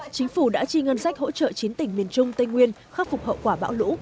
chính phủ đã chi ngân sách hỗ trợ chín tỉnh miền trung tây nguyên khắc phục hậu quả bão lũ